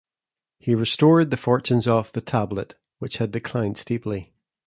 He restored the fortunes of "The Tablet", which had declined steeply.